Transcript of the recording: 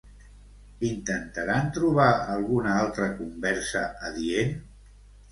Intentaren trobar alguna altra conversa adient?